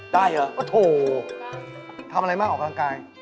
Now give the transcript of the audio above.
ได้เหรอโอ้โหทำอะไรมากออกกำลังกาย